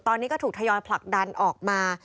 ตอนนี้ก็ถูกทยอยผลักดันออกมา